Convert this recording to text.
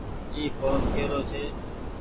اي ڦون ڪيرو ڇي۔